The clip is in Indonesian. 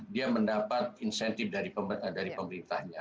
dia mendapat insentif dari pemerintahnya